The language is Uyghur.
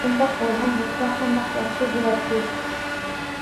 شۇنداق بولغان بولسا قانداق ياخشى بولاتتى.